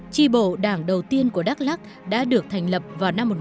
tri bộ đảng đầu tiên của đắk lắc đã được thành lập vào năm một nghìn chín trăm bảy mươi